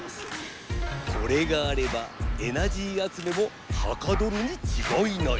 これがあればエナジーあつめもはかどるにちがいない！